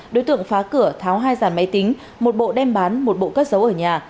đối tượng phá cửa tháo hai dàn máy tính một bộ đem bán một bộ cất giấu ở nhà